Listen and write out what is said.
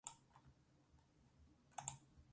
Ordua jo du hormako erlojuak.